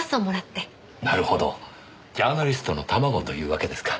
なるほどジャーナリストの卵というわけですか。